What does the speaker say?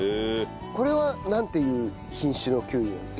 これはなんていう品種のきゅうりなんですか？